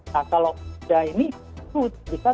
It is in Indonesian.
nah kalau sudah ini itu bisa